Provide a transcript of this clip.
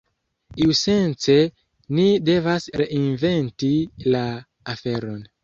Iusence ni devas reinventi la aferon.